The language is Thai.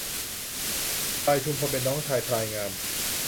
พลายชุมพลเป็นน้องชายพลายงาม